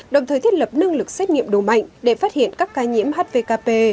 đồng thời thiết lập năng lực xét nghiệm đồ mạnh để phát hiện các ca nhiễm hvkp